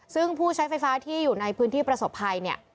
ซึ่งผู้ใช้ไฟฟ้าที่อยู่ในพื้นที่ประสบภัยเนี่ย